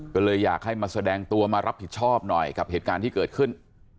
ก็เลยอยากให้มาแสดงตัวมารับผิดชอบหน่อยกับเหตุการณ์ที่เกิดขึ้น